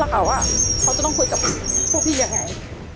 เขาจะต้องคุยกับพวกพี่ยังไง